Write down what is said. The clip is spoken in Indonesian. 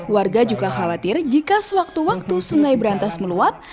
warga juga khawatir jika sewaktu waktu sungai berantas meluap